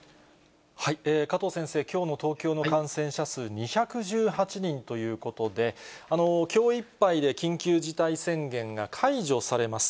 加藤先生、きょうの東京の感染者数、２１８人ということで、きょういっぱいで緊急事態宣言が解除されます。